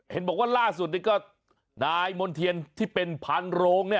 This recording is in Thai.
เห็นบอกว่าร่าสุดนี้ก็นายมนเทียนที่เป็นพันโรงเนี่ย